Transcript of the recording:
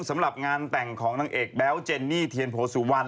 สำหรับงานแต่งของนางเอกแบ๊วเจนนี่เทียนโพสุวรรณ